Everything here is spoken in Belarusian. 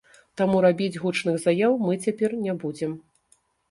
Таму рабіць гучных заяў мы цяпер не будзем.